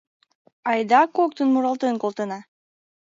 Айда коктын муралтен колтена